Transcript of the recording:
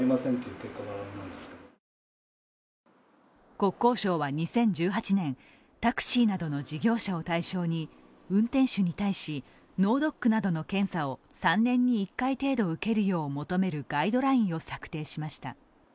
国交省は２０１８年、タクシーなどの事業者を対象に運転手に対す脳ドックなどの検査を３年に１回程度受けるよう求めるガイドラインを策定しました。